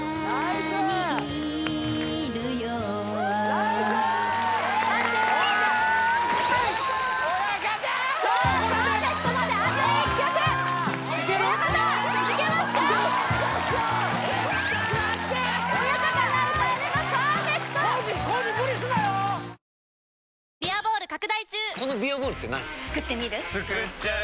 つくっちゃう？